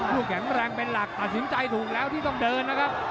ผู้แข็งแรงเป็นหลักตัดสินใจถูกแล้วที่ต้องเดินนะครับ